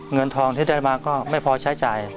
เงินทองที่ได้มาก็ไม่พอใช้จ่าย